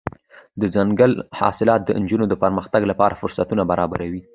دځنګل حاصلات د نجونو د پرمختګ لپاره فرصتونه برابروي.